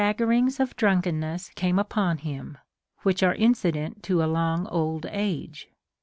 gerings of drunkenness came upon him, which are incident to a long okl age.